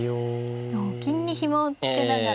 金にひもを付けながら。